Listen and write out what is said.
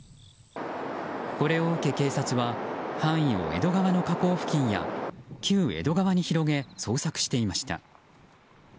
これを受け、警察は範囲を江戸川の河口付近や旧江戸川に広げ捜索していました。